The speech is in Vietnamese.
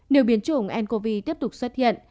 nếu biến chủng ncov tiếp tục xuất hiện